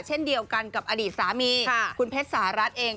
เช่นเดียวกันกับอดีตสามีคุณเพชรสหรัฐเอง